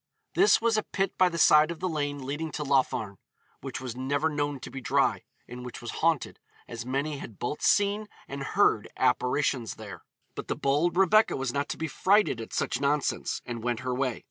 This was a pit by the side of the lane leading to Laugharne, which was never known to be dry, and which was haunted, as many had both seen and heard apparitions there. But the bold Rebecca was not to be frighted at such nonsense, and went her way.